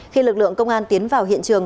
khi lực lượng công an tiến vào hiện trường